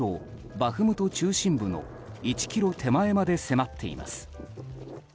バフムト中心部の１ｋｍ手前まで迫っています。